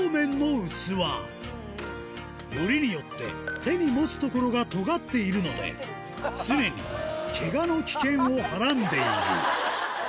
よりによって手に持つ所がとがっているので常にケガの危険をはらんでいる怖いな。